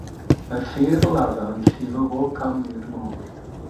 Mae'r llif lafa yn llifo bob cam i'r môr.